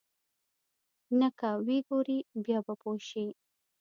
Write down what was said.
نه که ويې وګورې بيا به پوى شې.